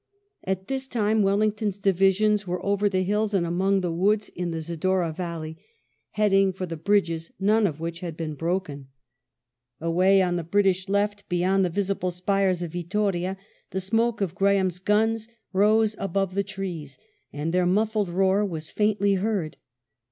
At this time Wellington's divisions were over the hills and among the woods in the Zadorra valley, heading for the bridges, none of which had been broken. Away on the British left, beyond the visible spires of Yittoria, the smoke of Graham's guns rose above the trees and their muffled roar was faintly heard.